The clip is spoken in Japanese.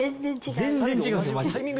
全然違いますよ、まじ。